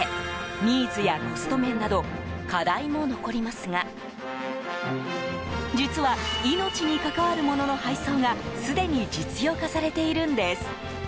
ニーズやコスト面など課題も残りますが実は、命に関わるものの配送がすでに実用化されているんです。